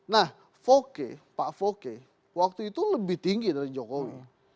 nah pak foke waktu itu lebih tinggi dari jokowi